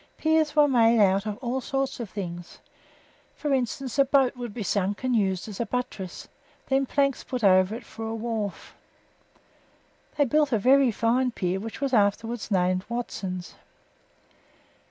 Piers were made out of all sorts of things; for instance, a boat would be sunk and used as a buttress, then planks put over it for a wharf. They built a very fine pier which was afterwards named Watson's.